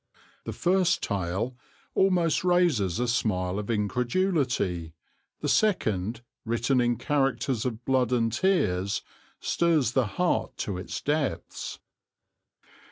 The first tale almost raises a smile of incredulity; the second, written in characters of blood and tears, stirs the heart to its depths.